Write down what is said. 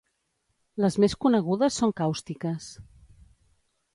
Les més conegudes són càustiques.